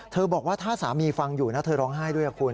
บอกว่าถ้าสามีฟังอยู่นะเธอร้องไห้ด้วยคุณ